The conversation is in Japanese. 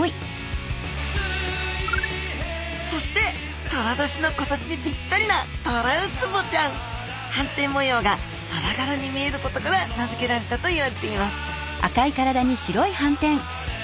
そしてとら年の今年にぴったりなはんてん模様がトラがらに見えることから名付けられたといわれています